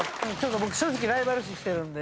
僕正直ライバル視してるので。